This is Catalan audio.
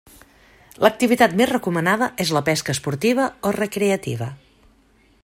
L'activitat més recomanada és la pesca esportiva o recreativa.